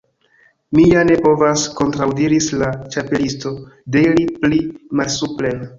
"Mi ja ne povas," kontraŭdiris la Ĉapelisto, "deiri pli malsupren.